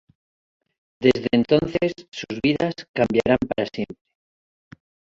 Desde entonces sus vidas cambiarán para siempre.